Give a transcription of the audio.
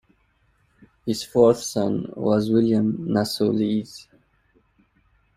His fourth son was William Nassau Lees.